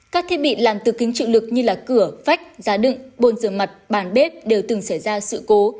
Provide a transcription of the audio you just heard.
các thiết bị làm từ kính chịu lực như cửa vách giá đựng bồn rửa mặt bàn bếp đều từng xảy ra sự cố